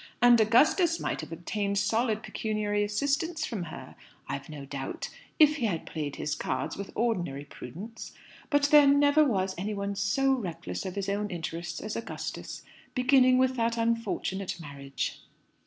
And Augustus might have obtained solid pecuniary assistance from her, I've no doubt, if he had played his cards with ordinary prudence. But there never was any one so reckless of his own interests as Augustus beginning with that unfortunate marriage."